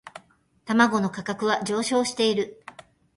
卵の価格は上昇している